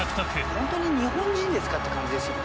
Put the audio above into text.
ホントに日本人ですかって感じですよね。